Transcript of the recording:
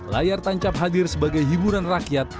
layar tancap hadir sebagai hiburan rakyat